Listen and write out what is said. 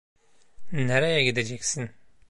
Nereye gideceksin?